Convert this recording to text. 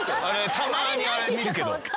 たまにあれ見るけど。